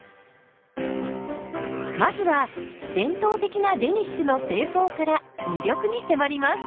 まずは伝統的なデニッシュの製法から魅力に迫ります。